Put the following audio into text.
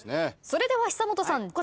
それでは久本さん